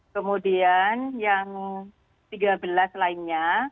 kemudian yang tiga belas lainnya